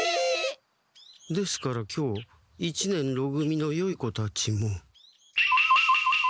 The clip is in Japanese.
ですから今日一年ろ組のよい子たちも。